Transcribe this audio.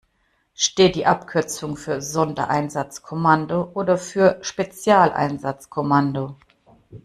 Steht die Abkürzung für Sondereinsatzkommando oder für Spezialeinsatzkommando?